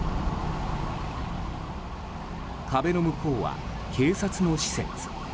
壁の向こうは警察の施設。